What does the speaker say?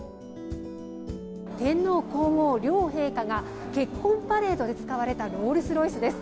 天皇・皇后両陛下が結婚パレードで使われたロールスロイスです。